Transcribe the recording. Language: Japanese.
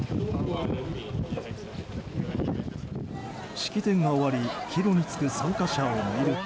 式典が終わり、帰路に就く参加者を見てみると。